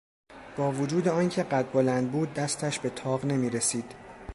با وجود آنکه قد بلند بود دستش به طاق نمیرسید.